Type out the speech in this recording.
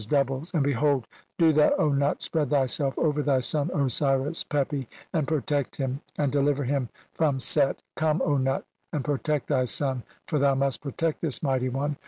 doubles), and, behold, do "thou, O Nut, spread thyself over thy son Osiris "Pepi, and protect him, and deliver (62) him from "Set. Come, Nut, and protect thy son, for thou "must protect this mighty one.